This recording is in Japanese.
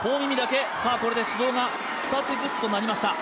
これで指導が２つずつとなりました。